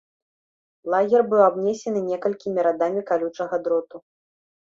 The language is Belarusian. Лагер быў абнесены некалькімі радамі калючага дроту.